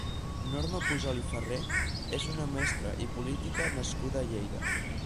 Norma Pujol i Farré és una mestra i política nascuda a Lleida.